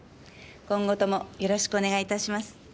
今後ともよろしくお願いいたします。